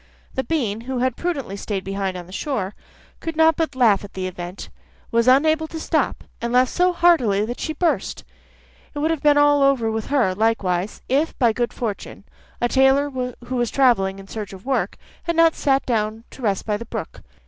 The bean, who had prudently stayed behind on the shore, could not but laugh at the event, was unable to stop, and laughed so heartily that she burst. It would have been all over with her, likewise, if, by good fortune, a tailor who was travelling in search of work, had not sat down to rest by the brook.